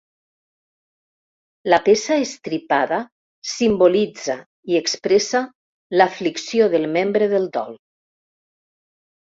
La peça estripada simbolitza i expressa l'aflicció del membre del dol.